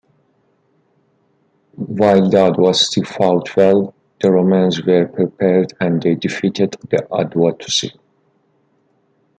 While the Aduatuci fought well, the Romans were prepared and they defeated the Aduatuci.